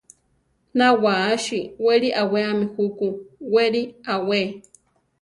Na wáasi wéli aweami juku; weri awé.